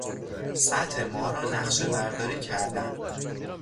سطح ماه را نقشهبرداری کردن